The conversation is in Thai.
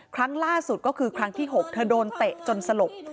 ครั้งล่าสุดก็คือครั้งที่๖เธอโดนเตะจนสลบ